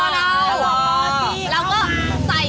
อ๋อเค้าบอกล่อที่